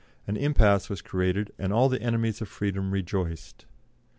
An impasse was created, and all the enemies of freedom rejoiced.